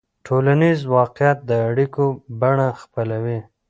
ټولنیز واقعیت د اړیکو بڼه خپلوي.